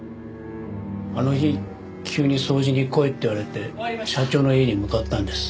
あの日急に掃除に来いって言われて社長の家に向かったんです。